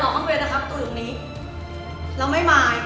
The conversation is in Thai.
ขอบคุณค่ะ